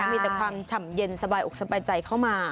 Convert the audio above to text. มีแต่ความฉ่ำเย็นสบายอกสบายใจเข้ามา